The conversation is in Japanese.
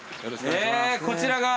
こちらが？